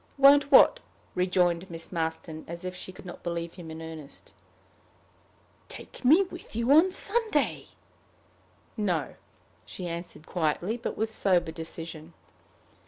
"Won't what?" rejoined Miss Marston, as if she could not believe him in earnest. "Take me with you on Sunday?" "No," she answered quietly, but with sober decision.